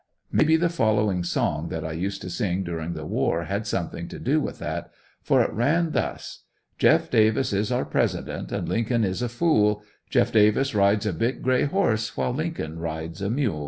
May be the following song that I used to sing during the war had something to do with that, for it ran thus: Jeff Davis is our President, And Lincoln is a fool, Jeff Davis rides a big gray horse While Lincoln rides a mule.